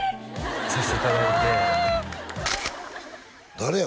させていただいて誰や？